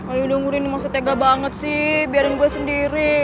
ayo dong rin lo masih tega banget sih biarin gue sendiri